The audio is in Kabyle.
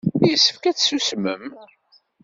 Yessefk ad tsusmem.